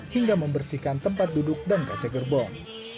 hingga membersihkan tempat duduk dan kaca gerbong